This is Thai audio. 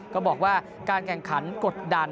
ก็บอกว่าการแข่งขันกดดัน